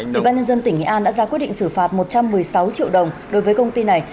ủy ban nhân dân tỉnh nghệ an đã ra quyết định xử phạt một trăm một mươi sáu triệu đồng đối với công ty này